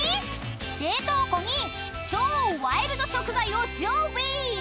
［冷凍庫に超ワイルド食材を常備］